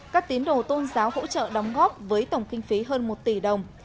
các tín đồ tôn giáo hỗ trợ đóng góp với tổng kinh phí hơn một tỷ đồng